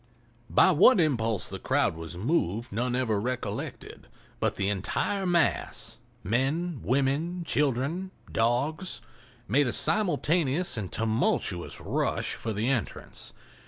By what impulse the crowd was moved none ever recollected, but the entire mass—men, women, children, dogs—made a simultaneous and tumultuous rush for the entrance.